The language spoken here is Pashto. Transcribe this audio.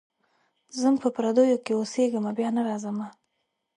ځم په پردیو کي اوسېږمه بیا نه راځمه.